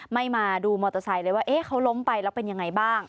ไม่มาดูมอเตอร์ไซค์เลยว่าเขาล้มไปแล้วเป็นยังไงบ้าง